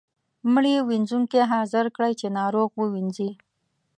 مړي وينځونکی حاضر کړئ چې ناروغ ووینځي.